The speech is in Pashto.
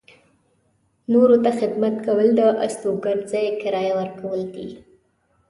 نورو ته خدمت کول د استوګنځي کرایه ورکول دي.